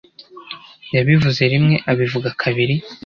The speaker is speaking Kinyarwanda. yabivuze rimwe, abivuga kabiri